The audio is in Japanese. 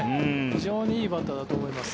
非常にいいバッターだと思います。